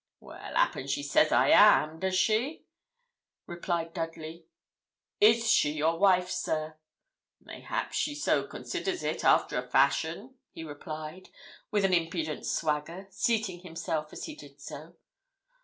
'Well, 'appen she says I am does she?' replied Dudley. 'Is she your wife, sir?' 'Mayhap she so considers it, after a fashion,' he replied, with an impudent swagger, seating himself as he did so.